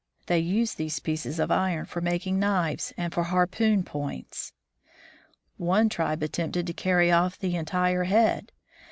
They used these pieces of iron for making knives and for harpoon points. One tribe attempted to carry off the entire head.